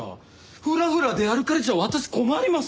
ふらふら出歩かれちゃ私困ります！